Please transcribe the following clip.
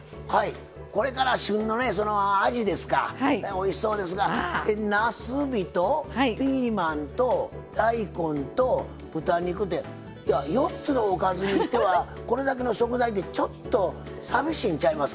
おいしそうですがなすびとピーマンと大根と豚肉って４つのおかずにしてはこれだけの食材ってちょっとさみしいんちゃいますか？